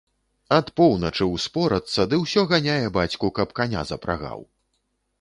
Ад поўначы ўспорацца ды ўсё ганяе бацьку, каб каня запрагаў.